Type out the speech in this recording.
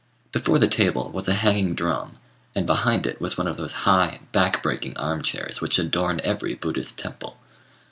Before the table was a hanging drum, and behind it was one of those high, back breaking arm chairs which adorn every Buddhist temple.